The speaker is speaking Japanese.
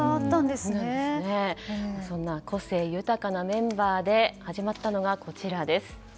そんな個性豊かなメンバーで始まったのが、こちら。